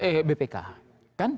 eh bpk kan